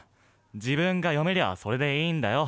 自分が読めりゃそれでいいんだよ」。